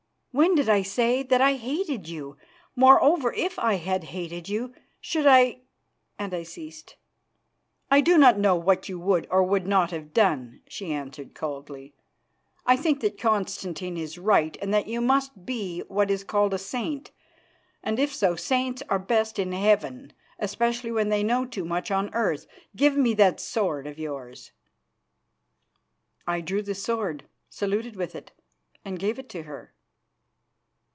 When did I say that I hated you? Moreover, if I had hated you, should I " and I ceased. "I do not know what you would or would not have done," she answered coldly. "I think that Constantine is right, and that you must be what is called a saint; and, if so, saints are best in heaven, especially when they know too much on earth. Give me that sword of yours." I drew the sword, saluted with it, and gave it to her.